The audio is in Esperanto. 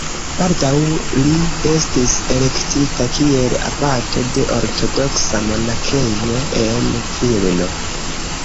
Baldaŭ li estis elektita kiel abato de ortodoksa monakejo en Vilno.